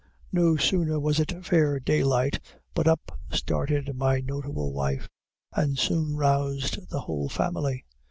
No sooner was it fair daylight, but up started my notable wife, and soon roused the whole family.